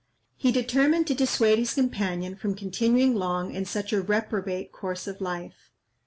He determined to dissuade his companion from continuing long in such a reprobate course of life.